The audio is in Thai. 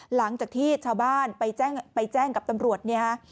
หลังจากที่ชาวบ้านไปแจ้งกับตำรวจ